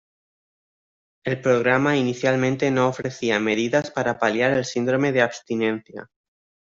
El programa inicialmente no ofrecía medidas para paliar el síndrome de abstinencia.